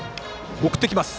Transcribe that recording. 送ってきます。